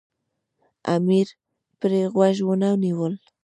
امیر پرې غوږ ونه نیوی.